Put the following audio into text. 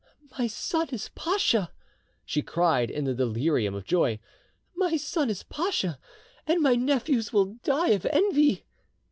"My son is pacha!" she cried in the delirium of joy. "My son is pacha! and my nephews will die of envy!"